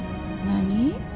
何？